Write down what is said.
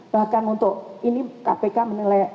bahkan untuk ini kpk menilai